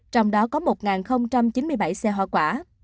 trong đó có một chín mươi bảy xe hoa quả